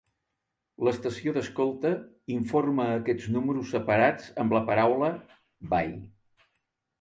L'estació d'escolta informa aquests números separats amb la paraula "by".